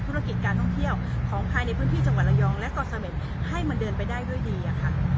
ธุรกิจการท่องเที่ยวของภายในพื้นที่จังหวัดระยองและเกาะเสม็ดให้มันเดินไปได้ด้วยดีอะค่ะ